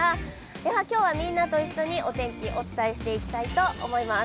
では、みんなと一緒にお天気、お伝えしていきたいと思います。